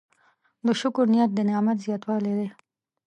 د شکر نیت د نعمت زیاتوالی دی.